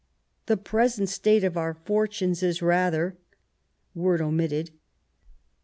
The present state of our fortune is rather [word omitted].